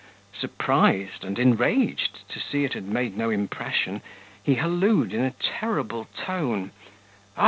Surprised and enraged to see it had made no impression, he halloed, in a terrible tone, "O!